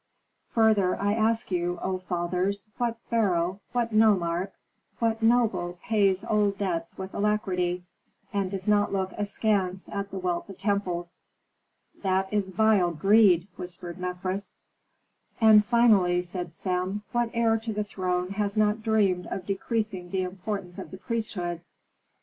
Further, I ask you, O fathers, what pharaoh, what nomarch, what noble pays old debts with alacrity, and does not look askance at the wealth of temples?" "That is vile greed," whispered Mefres. "And, finally," said Sem, "what heir to the throne has not dreamed of decreasing the importance of the priesthood?